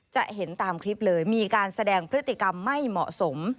จะเห็นตามคลิปเลยมีการแสดงพฤติกรรมไม่เหมาะสม